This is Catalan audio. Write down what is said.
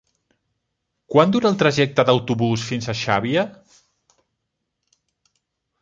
Quant dura el trajecte en autobús fins a Xàbia?